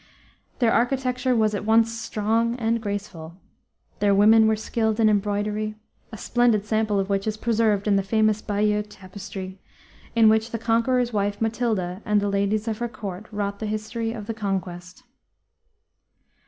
Their architecture was at once strong and graceful. Their women were skilled in embroidery, a splendid sample of which is preserved in the famous Bayeux tapestry, in which the conqueror's wife, Matilda, and the ladies of her court wrought the history of the Conquest.